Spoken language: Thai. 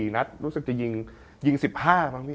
๔นัดรู้สึกจะยิง๑๕บางที